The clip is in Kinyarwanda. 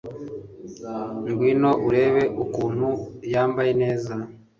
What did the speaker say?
ngwino urebe ukuntu yambaye neza